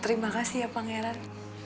terima kasih ya pangeran